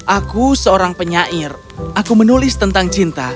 aku seorang penyair aku menulis tentang cinta